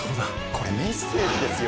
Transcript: これメッセージですよ。